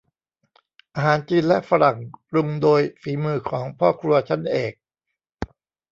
อาหารจีนและฝรั่ง ปรุงโดยฝีมือของพ่อครัวชั้นเอก